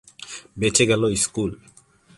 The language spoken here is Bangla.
বেঁচে গেল স্কুল।